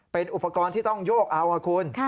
เป็นอุปกรณ์ที่ต้องโยกเอาคุณ